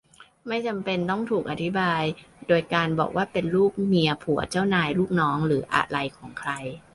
ไม่จำเป็นต้องถูกอธิบายโดยการบอกว่าเป็นลูก-เมีย-ผัว-เจ้านาย-ลูกน้องหรืออะไรของใคร